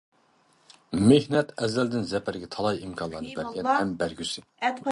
مېھنەت ئەزەلدىن زەپەرگە تالاي ئىمكانلارنى بەرگەن ھەم بەرگۈسى.